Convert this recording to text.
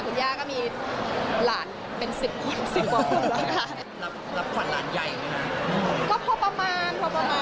ก็พอประมาณพอประมาณ